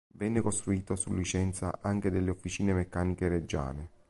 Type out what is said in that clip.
Venne costruito su licenza anche dalle Officine Meccaniche Reggiane.